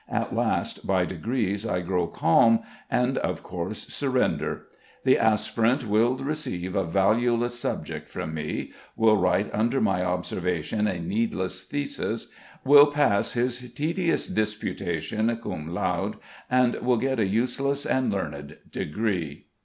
At last by degrees I grow calm, and, of course, surrender. The aspirant will receive a valueless subject from me, will write under my observation a needless thesis, will pass his tedious disputation cum laude and will get a useless and learned degree.